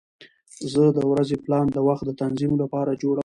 زه د ورځې پلان د وخت د تنظیم لپاره جوړوم.